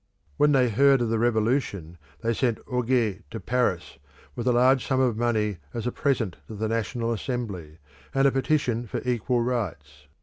When they heard of the Revolution, they sent Ogé to Paris with a large sum of money as a present to the National Assembly, and a petition for equal rights.